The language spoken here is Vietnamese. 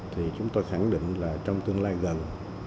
thì chúng tôi khẳng định là trong tương lai gần